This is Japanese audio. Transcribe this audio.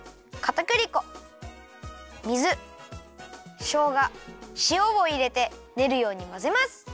かたくり粉水しょうがしおをいれてねるようにまぜます。